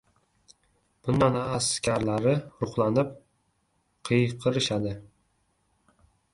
Bundan askarlari ruhlanib, qiyqirishadi